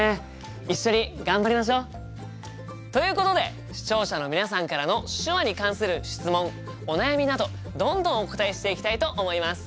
一緒に頑張りましょう！ということで視聴者の皆さんからの手話に関する質問お悩みなどどんどんお答えしていきたいと思います。